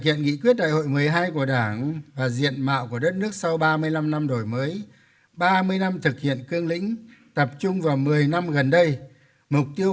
định hướng tiếp tục đổi mới phát triển các lĩnh vực trọng yếu